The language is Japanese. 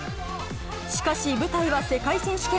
しかし舞台は世界選手権。